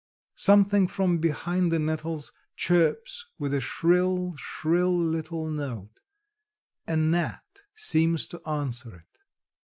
Something from behind the nettles chirps with a shrill, shrill little note; a gnat seems to answer it.